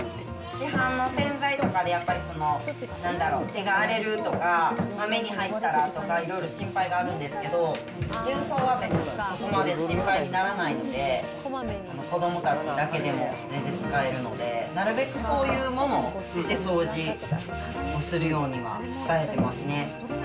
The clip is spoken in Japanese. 市販の洗剤とかで、やっぱりなんだろう、手が荒れるとか目に入ったらとか、いろいろ心配があるんですけど、重曹はそこまで心配にならないので、子どもたちだけでも全然使えるので、なるべくそういうもので掃除をするようには伝えてますね。